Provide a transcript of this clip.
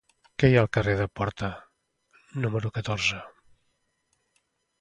Què hi ha al carrer de Porta número catorze?